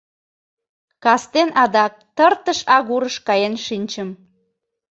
Кастен адак Тыртыш агурыш каен шинчым.